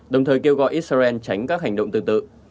đồng thời kêu gọi israel tránh các hành động tương tự